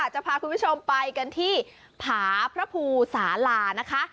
จะพาคุณผู้ชมไปกันที่ผาพระภูสาลานะคะ